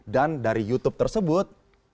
dan dari youtube tersebut